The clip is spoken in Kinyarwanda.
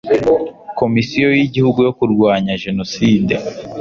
Komisiyo y Igihugu yo Kurwanya Jenoside